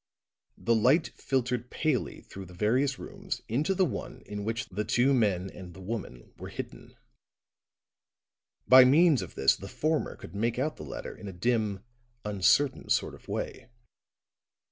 The light filtered palely through the various rooms into the one in which the two men and the woman were hidden; by means of this the former could make the latter out in a dim, uncertain sort of way.